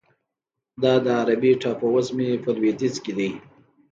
دا د عربي ټاپوزمې په لویدیځ کې دی.